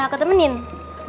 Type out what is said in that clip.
tidak saya sudah menutup